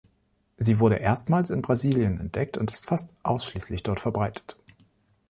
Sie wurde erstmals in Brasilien entdeckt und ist fast ausschließlich dort verbreitet.